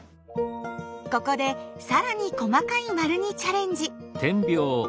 ここでさらに細かい丸にチャレンジ！